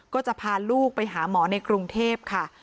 ก็จะพาลูกไปหาหมอในกรุงเทพค่ะ